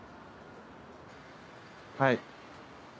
はい。